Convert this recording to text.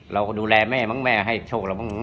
เราก็ดูแลแม่มั้งแม่ให้โชคเราบ้าง